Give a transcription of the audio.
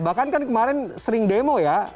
bahkan kan kemarin sering demo ya